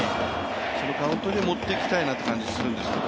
そのカウントでもっていきたいなという感じがするですけど